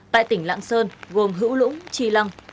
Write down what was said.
tại tỉnh lãng sơn gồm hữu lũng tri lăng